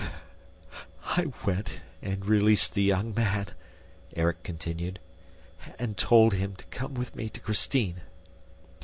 "I went and released the young man," Erik continued, "and told him to come with me to Christine